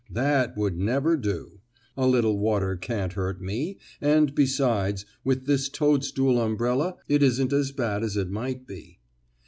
"That would never do. A little water can't hurt me, and besides, with this toadstool umbrella, it isn't as bad as it might be."